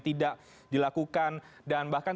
tidak dilakukan dan bahkan